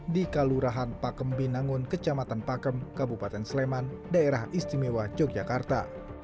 di kelurahan pakem binangun kecamatan pakem kabupaten sleman daerah istimewa yogyakarta